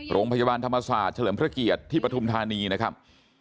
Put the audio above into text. โรงพยาบาลธรรมศาสตร์เฉลิมพระเกียรติที่ปฐุมธานีนะครับ